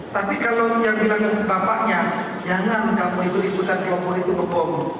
tapi kalau yang bilang bapaknya jangan kamu ikut ikutan kelompok itu kebom